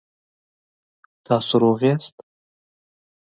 تاسو روغ یاست؟